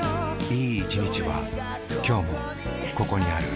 いい一日はきょうもここにある